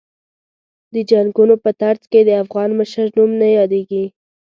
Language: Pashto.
د جنګونو په ترڅ کې د افغان مشر نوم نه یادېږي.